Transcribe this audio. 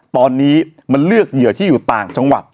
ตอนนี้มันเลือกเหยื่อที่อยู่ต่างจังหวัด